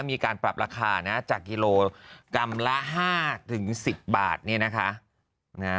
มีการปรับราคานะจากกิโลกรัมละ๕๑๐บาทเนี่ยนะคะ